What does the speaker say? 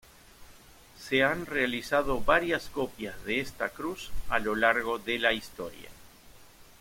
Se han realizado varias copias de esta cruz a lo largo de la historia.